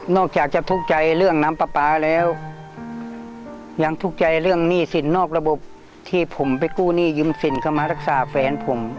อกจากจะทุกข์ใจเรื่องน้ำปลาปลาแล้วยังทุกข์ใจเรื่องหนี้สินนอกระบบที่ผมไปกู้หนี้ยืมสินเข้ามารักษาแฟนผม